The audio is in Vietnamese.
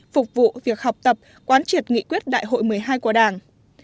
phục vụ việc học tập quán triệt nghị quyết đại hội một mươi hai của đảng